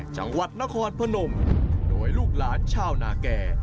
จังหวัดนครพนมโดยลูกหลานชาวนาแก่